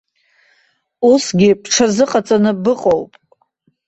Усгьы бҽазыҟаҵаны быҟоуп.